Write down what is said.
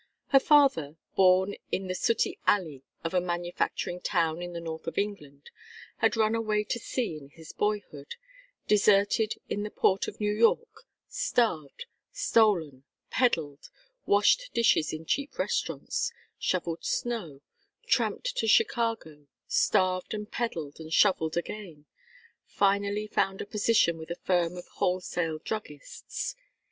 Her father, born in the sooty alley of a manufacturing town in the north of England, had run away to sea in his boyhood, deserted in the port of New York, starved, stolen, peddled, washed dishes in cheap restaurants, shovelled snow, tramped to Chicago, starved and peddled and shovelled again, finally found a position with a firm of wholesale druggists.